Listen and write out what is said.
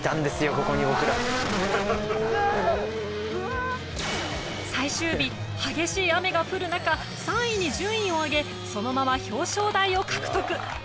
ここに僕ら。最終日激しい雨が降る中３位に順位を上げそのまま表彰台を獲得。